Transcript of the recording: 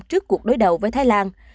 trước cuộc đối đầu với thái lan